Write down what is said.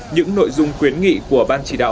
những nội dung quyến nghị của ban chỉ đạo